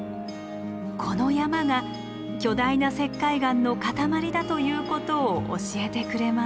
この山が巨大な石灰岩の塊だということを教えてくれます。